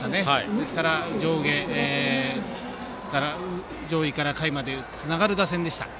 ですから、上位から下位までつながる打線でした。